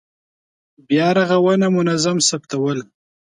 بیا رغونه منظم ثبتول.